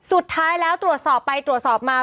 สุดท้ายแล้วตรวจสอบไปตรวจสอบมา